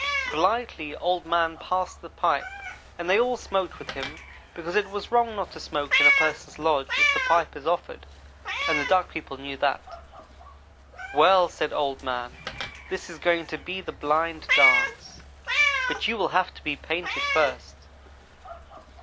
Politely, Old man passed the pipe, and they all smoked with him because it is wrong not to smoke in a person's lodge if the pipe is offered, and the Duck people knew that. "'Well,' said Old man, 'this is going to be the Blind dance, but you will have to be painted first.